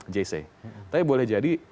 jc tapi boleh jadi